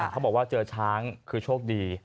เขาบอกว่าเจอช้างคือโชคดี